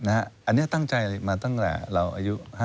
อันนี้ตั้งใจมาตั้งแต่เราอายุ